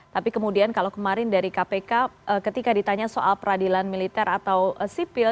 tapi kemudian kalau kemarin dari kpk ketika ditanya soal peradilan militer atau sipil